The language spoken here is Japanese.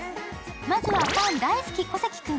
まずはパン大好き小関君。